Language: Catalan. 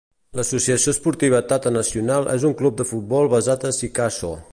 L'Associació Esportiva Tata Nacional és un club de futbol basat a Sikasso.